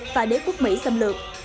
và đế quốc mỹ xâm lược